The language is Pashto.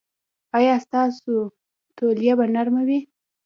ایا ستاسو تولیه به نرمه وي؟